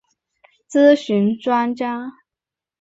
咨询专家